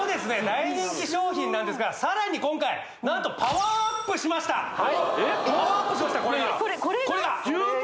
大人気商品なんですがさらに今回何とパワーアップしましたパワーアップしましたこれがこれが！？